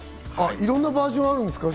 いろんなバージョンあるんですか？